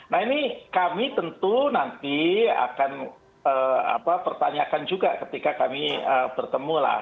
nah ini kami tentu nanti akan pertanyakan juga ketika kami bertemu lah